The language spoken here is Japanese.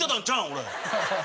俺。